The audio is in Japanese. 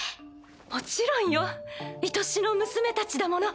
もちろんよ愛しの娘たちだもの。